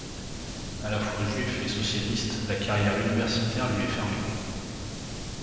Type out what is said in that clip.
À la fois juif et socialiste, la carrière universitaire lui est fermée.